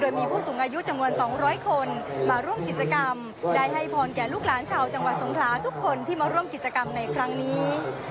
มีผู้สูงอายุจำนวน๒๐๐คนมาร่วมกิจกรรมได้ให้พรแก่ลูกหลานชาวจังหวัดสงคราทุกคนที่มาร่วมกิจกรรมในครั้งนี้